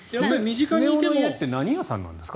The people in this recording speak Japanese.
スネ夫の家って何屋さんなんですか？